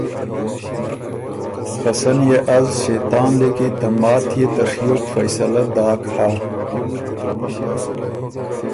خه سن يې از ݭېطان لیکی ته ماتيې ته ڒیوک فیصلۀ داک هۀ۔